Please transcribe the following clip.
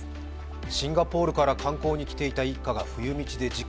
シンガポールから観光に来ていた一家が冬道で事故。